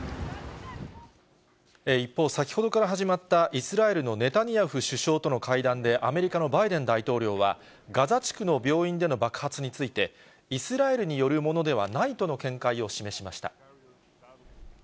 一方、先ほどから始まったイスラエルのネタニヤフ首相との会談でアメリカのバイデン大統領は、ガザ地区の病院での爆発について、イスラエルによるものではないとの見解を示しました。